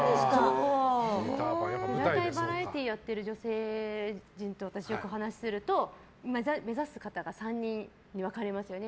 バラエティーやってる女性陣とよく話すると目指す方が３人に分かれますよね。